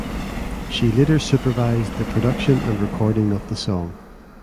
She later supervised the production and recording of the song.